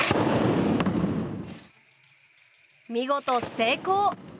見事成功！